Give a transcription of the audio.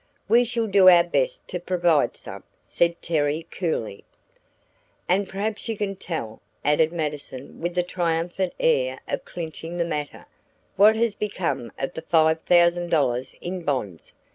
"We shall do our best to provide some," said Terry, coolly. "And perhaps you can tell," added Mattison with the triumphant air of clinching the matter, "what has become of the five thousand dollars in bonds?